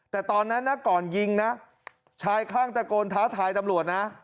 แต่ตอนนั้นนะก่อนยิงนะชายคลั่งตะโกนท้าทายตำรวจนะ